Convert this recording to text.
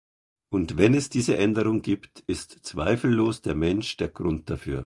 Und wenn es diese Änderung gibt, ist zweifellos der Mensch der Grund dafür.